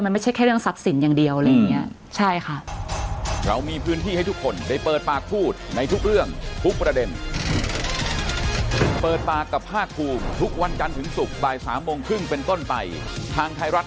มันไม่ใช่แค่เรื่องทรัพย์สินอย่างเดียวอะไรอย่างนี้